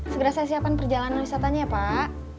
segera saya siapkan perjalanan wisatanya ya pak